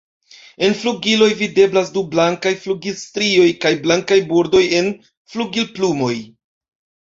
En flugiloj videblas du blankaj flugilstrioj kaj blankaj bordoj en flugilplumoj.